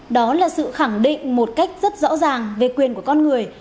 đó là sự khẳng định một cách rất rõ ràng về quyền của con người